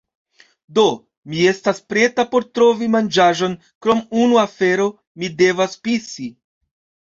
Do, mi estas preta por trovi manĝaĵon krom unu afero mi devas pisi